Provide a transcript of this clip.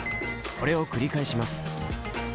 これを繰り返します。